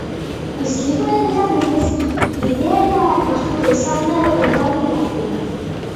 Istripuaren eraginez, bidea erabat moztuta izan da eguerdira arte.